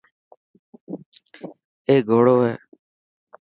اي گهوڙو هي.